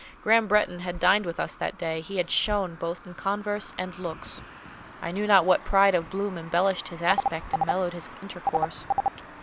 Graham Bretton had dined with us that day; he had shone both in converse and looks: I know not what pride of bloom embellished his aspect and mellowed his intercourse.